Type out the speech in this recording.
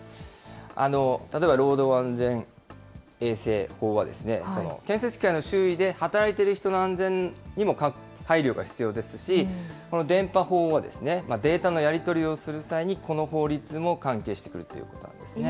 例えば労働安全衛生法はですね、建設機械の周囲で働いてる人の安全にも配慮が必要ですし、この電波法は、データのやり取りをする際に、この法律も関係してくるということなんですね。